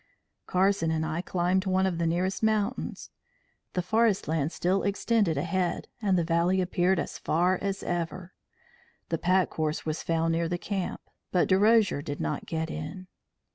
"Carson and I climbed one of the nearest mountains; the forest land still extended ahead, and the valley appeared as far as ever. The pack horse was found near the camp, but Derosier did not get in.